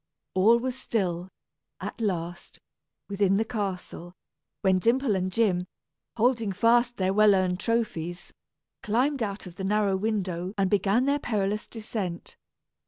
All was still, at last, within the castle, when Dimple and Jim, holding fast their well earned trophies, climbed out of the narrow window and began their perilous descent.